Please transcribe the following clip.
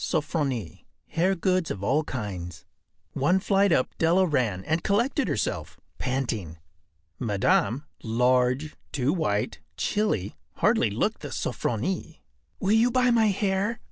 Sofronie. Hair Goods of All Kinds.” One flight up Della ran, and collected herself, panting. Madame, large, too white, chilly, hardly looked the “Sofronie.” “Will you buy my hair?